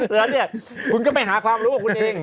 และนี้คุณก็ไปหาความรู้ของคุณเอง